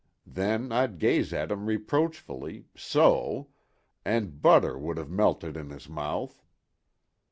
Then I'd gaze at him reproachfully, so, and butter wouldn't have melted in his mouth."